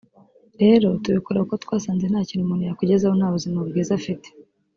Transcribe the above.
rero tubikora kuko twasanze nta kintu umuntu yakwigezaho nta buzima bwiza afite